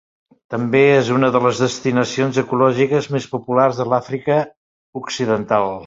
També és una de les destinacions ecològiques més populars de l'Àfrica Occidental.